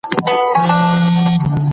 شاګرد د لوړ ږغ سره پاڼه ړنګه کړې ده.